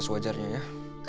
sewajarnya ya kak